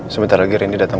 sebentar lagi rendy datang